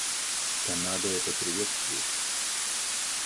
Канада это приветствует.